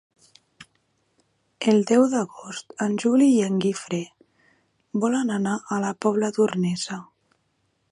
El deu d'agost en Juli i en Guifré volen anar a la Pobla Tornesa.